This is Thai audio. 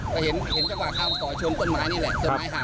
ก็เห็นจังหวะข้ามก่อชงก้นไม้นี่แหละ